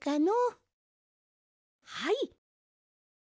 はい。